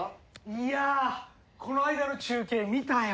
いやあこの間の中継見たよ。